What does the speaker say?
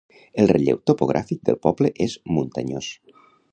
El relleu topogràfic del poble és muntanyós.